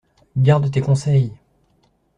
Garde tes conseils!